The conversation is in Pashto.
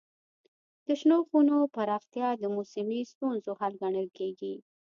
د شنو خونو پراختیا د موسمي ستونزو حل ګڼل کېږي.